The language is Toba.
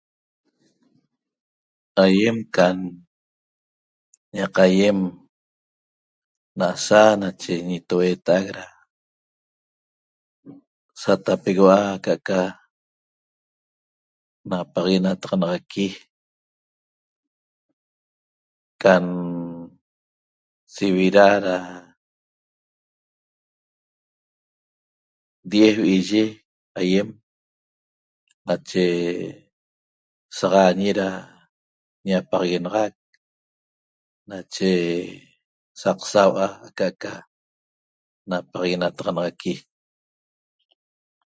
Aýem can ñaq aýem na'asa nache ñitoueta'ac can satapegueua'a aca'aca napaxaguenataxanaxaqui can sivida da diez vi'iyi aýem nache saxaañi da ñapaxaguenaxac nache saq sau'a aca'aca napaxaguenataxanaxaqui